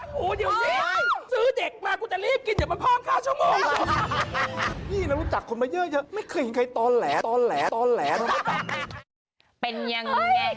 เป็นยังไงเทปแรกสุดยอด